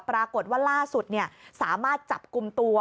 ปรากฏว่าล่าสุดสามารถจับกลุ่มตัว